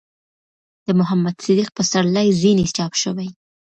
،د محمد صديق پسرلي ځينې چاپ شوي